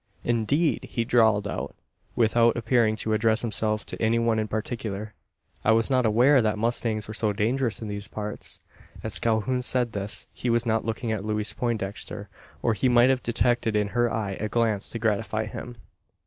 "Indeed!" he drawled out, without appearing to address himself to any one in particular. "I was not aware that mustangs were so dangerous in these parts." As Calhoun said this, he was not looking at Louise Poindexter or he might have detected in her eye a glance to gratify him.